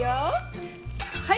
はい！